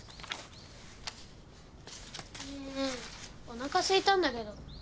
おなかすいたんだけど。